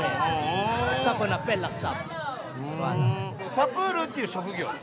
サプールっていう職業なの？